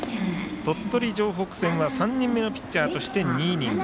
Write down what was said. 鳥取城北戦は３人目のピッチャーとして２イニング。